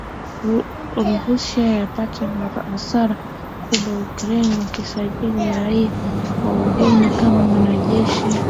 Russia yapata hasara kubwa Ukraine kusajili raia wa kigeni kama wanajeshi